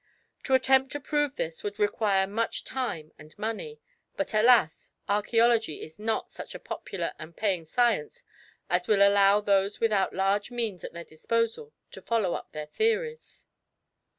To attempt to prove this would require much time and money; but, alas! archæology is not such a popular and paying science as will allow those without large means at their disposal to follow up their theories.